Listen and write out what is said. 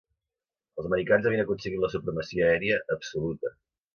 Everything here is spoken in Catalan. Els americans havien aconseguit la supremacia aèria absoluta.